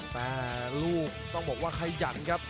แต่ลูกต้องบอกว่าขยันครับ